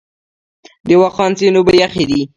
د واخان سیند اوبه یخې دي؟